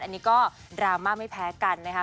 อันนี้ก็ดราม่าไม่แพ้กันนะคะ